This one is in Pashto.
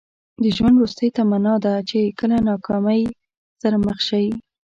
د ژوند وروستۍ تمنا ده چې کله ناکامۍ سره مخ شئ.